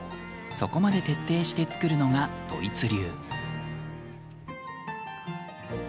そこまで徹底して作るのがドイツ流。